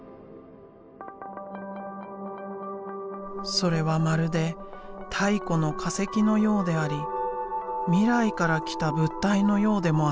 それはまるで太古の化石のようであり未来から来た物体のようでもあった。